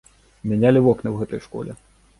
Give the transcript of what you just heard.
Мянялі вокны ў гэтай школе.